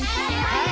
はい！